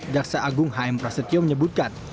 jaksa agung hm prasetyo menyebutkan